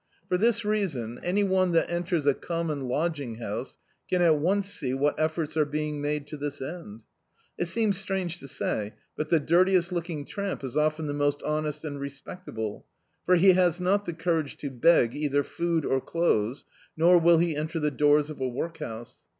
For this reason, any cme that enters a common lodging house can at once see what efforts are being made to this end. It seems strange to say, but the dirtiest looking tramp is often the most honest and respectable, for he has not the courage to beg either food or clothes, nor will he enter the doors of a workhouse.